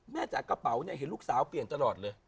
จากกระเป๋าเนี่ยเห็นลูกสาวเปลี่ยนตลอดเลย